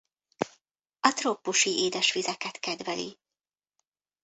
A trópusi édesvizeket kedveli.